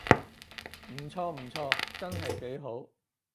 唔錯唔錯，真係幾好